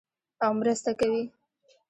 او مرسته کوي.